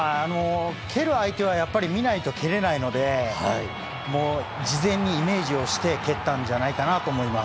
蹴る相手はやっぱり見ないと蹴れないので、もう事前にイメージをして蹴ったんじゃないかなと思います。